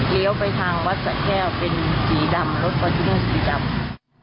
เลี้ยวไปทางวัดสะแค่เป็นสีดำรถก็ดูสีดำ